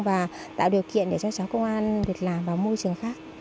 và tạo điều kiện để cho cháu công an việc làm vào môi trường khác